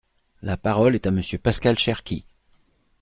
La parole est à Monsieur Pascal Cherki.